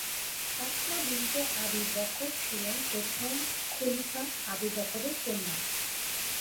Asma binte Abi Bakr ছিলেন প্রথম খলিফা আবু বকরের কন্যা।